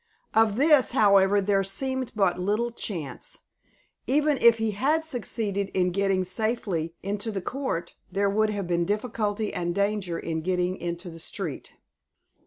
Of this, however, there seemed but little chance. Even if he had succeeded in getting safely into the court, there would have been difficulty and danger in getting into the street.